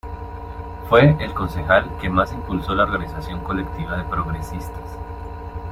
Fue el concejal que más impulso la organización colectiva de Progresistas.